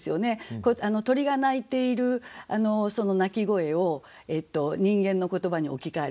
鳥が鳴いているその鳴き声を人間の言葉に置き換えると。